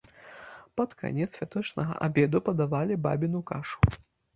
Пад канец святочнага абеду падавалі бабіну кашу.